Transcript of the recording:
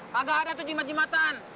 kagak ada tuh jimat jimatan